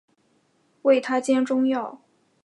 为她煎中药